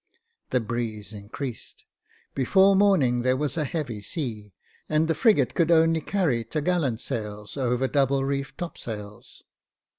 The breeze increased ; before morning there was a heavy sea, and the frigate could only carry top gallant sails over double reefed topsails.